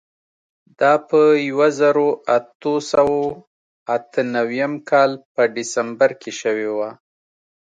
دا په یوه زرو اتو سوو اته نوېم کال په ډسمبر کې شوې وه.